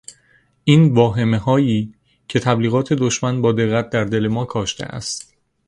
این واهمههایی که تبلیغات دشمن با دقت در دل ما کاشته است